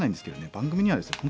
番組にはですね